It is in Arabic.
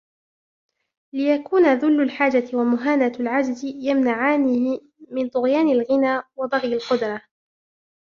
لِيَكُونَ ذُلُّ الْحَاجَةِ وَمُهَانَةُ الْعَجْزِ يَمْنَعَانِهِ مِنْ طُغْيَانِ الْغِنَى وَبَغْيِ الْقُدْرَةِ